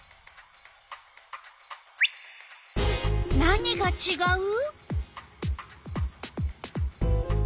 何がちがう？